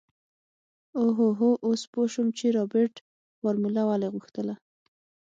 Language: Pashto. اوهوهو اوس پو شوم چې رابرټ فارموله ولې غوښتله.